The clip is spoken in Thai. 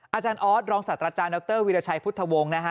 อาจารย์ออสรองศาสตราจารย์ดรวิราชัยพุทธวงศ์นะฮะ